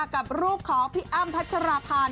กับรูปของพี่อ้ำพัชราภา